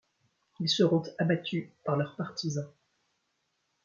Ils seront abattus par leurs partisans.